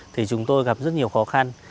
thì chúng tôi gặp rất nhiều khó khăn